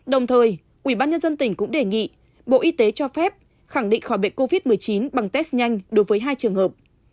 đồng thời ubnd tỉnh cũng đề nghị bộ y tế cho phép khẳng định khỏi bệnh covid một mươi chín bằng test nhanh đối với hai trường hợp